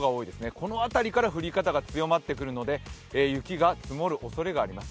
この辺りから降り方が強まってくるので雪が積もる可能性があります。